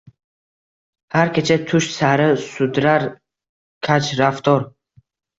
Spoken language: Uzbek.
Har kecha tush sari sudrar kajraftor